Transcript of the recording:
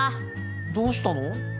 どうしたの？